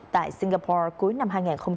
tại singapore cuối năm hai nghìn hai mươi hai